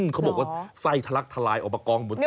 เขาบอกว่าไส้ทะลักทลายออกมากองบนถนน